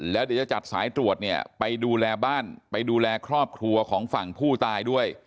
แล้วเดี๋ยวจะจัดสายตรวจเนี่ยไปดูแลบ้านไปดูแลครอบครัวของฝั่งผู้ตายด้วย